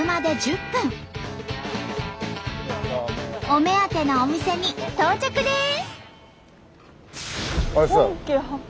お目当てのお店に到着です！